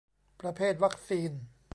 ประเภทวัคซีน